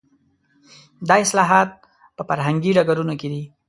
دا اصلاحات په فرهنګي ډګرونو کې دي.